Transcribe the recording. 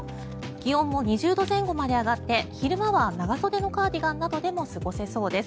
気温も２０度前後まで上がって昼間は長袖のカーディガンなどでも過ごせそうです。